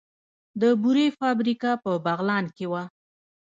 د بورې فابریکه په بغلان کې وه